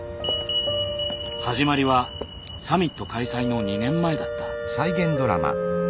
始まりはサミット開催の２年前だった。